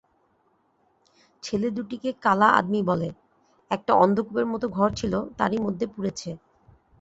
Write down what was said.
ছেলে-দুটিকে কালা আদমী বলে, একটা অন্ধকূপের মত ঘর ছিল, তারই মধ্যে পুরেছে।